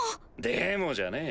でもじゃねぇ。